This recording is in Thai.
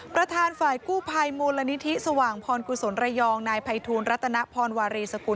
ประธานฝ่ายกู้ภัยมูลนิธิสว่างพรกุศลระยองนายภัยทูลรัตนพรวารีสกุล